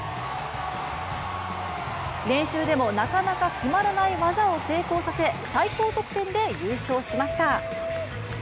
練習でもなかなか決まらない技を成功させ、最高得点で優勝しました。